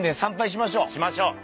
しましょう。